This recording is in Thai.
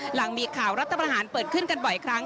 หลังมีข่าวรัฐประหารเปิดขึ้นกันบ่อยครั้ง